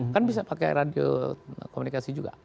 kan bisa pakai radio komunikasi juga